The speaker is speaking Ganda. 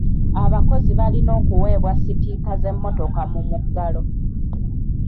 Abakozi balina okuweebwa sitiika z'emmotoka mu muggalo.